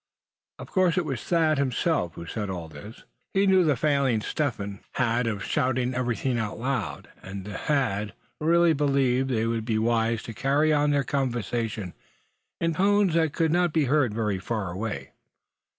Of course it was Thad himself who said all this. He knew the failing Step Hen had of shouting everything out loud; and Thad really believed they would be wise to carry on their conversation in tones that could not be heard very far away.